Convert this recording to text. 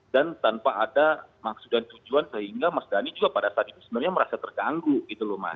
dan tanpa ada maksud dan tujuan sehingga mas dhani juga pada saat itu sebenarnya merasa terganggu gitu loh mas